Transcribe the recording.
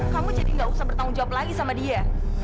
kamu jadi gak usah bertanggung jawab lagi sama dia